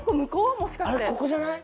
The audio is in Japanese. もしかしてここじゃない？